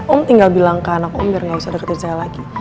om tinggal bilang ke anak om biar gak usah deketin saya lagi